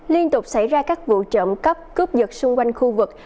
liên tục xảy ra các vụ trộm cấp cướp dựt xung quanh khu vực